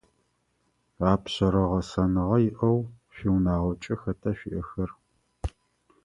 Апшъэрэ гъэсэныгъэ иӏэу шъуиунагъокӏэ хэта шъуиӏэхэр?